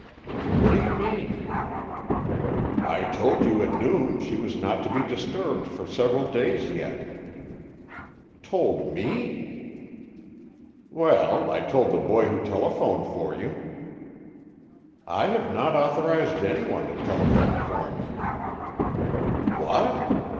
"What do you mean?" "I told you at noon that she was not to be disturbed for several days yet." "Told me?" "Well, I told the boy who telephoned for you." "I have not authorized anyone to telephone for me. "What?